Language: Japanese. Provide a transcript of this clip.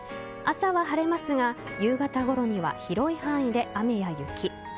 朝は晴れますが夕方ごろには広い範囲で雨や雪。